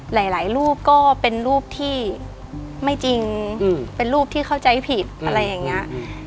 หลายรูปก็เป็นรูปที่ไม่จริงเป็นรูปที่เข้าใจผิดอะไรอย่างนี้